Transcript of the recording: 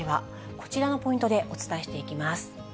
こちらのポイントでお伝えしていきます。